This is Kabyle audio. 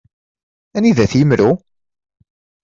Anida-t yimru?